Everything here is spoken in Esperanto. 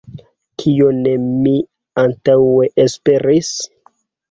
Kion mi antaŭe esperis?